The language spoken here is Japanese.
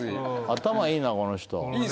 頭いいなこの人。